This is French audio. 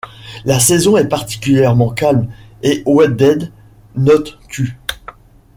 La saison est particulièrement calme et Weddell note qu'.